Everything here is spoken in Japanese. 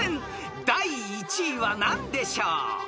［第１位は何でしょう］